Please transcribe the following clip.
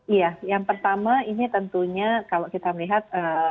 iya yang pertama ini tentunya kalau kita melihat